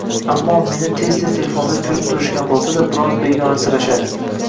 Ammo, meni tez-tez telefonda ko`rib turishgan bo`lsada, biroz begonasirashdi